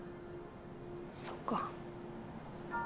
そっか。